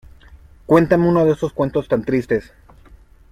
¡Cuéntame uno de esos cuentos tan tristes!